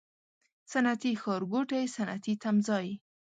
صنعتي ښارګوټی، صنعتي تمځای